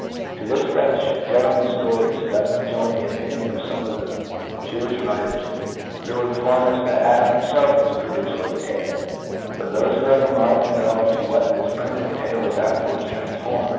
To this French gentleman's ftories let me join the opinion pf fome of the Jewilh writers, who ^ inform us, that Adam himfelf was produced with 2L tail ; but thofc who have a mind to know into what this primitive tail was afterwards transform